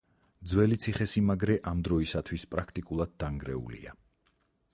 ძველი ციხესიმაგრე ამ დროისათვის პრაქტიკულად დანგრეულია.